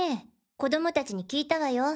子供たちに聞いたわよ。